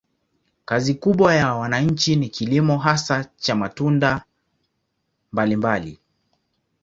Kazi kubwa ya wananchi ni kilimo, hasa cha matunda mbalimbali.